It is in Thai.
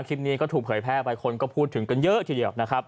คลิปนี้ก็ถูกเผยแพร่ไปคนก็พูดถึงเยอะทีเดียว